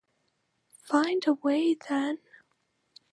Find a way, then!